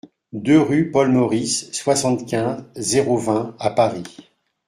deux rue Paul Meurice, soixante-quinze, zéro vingt à Paris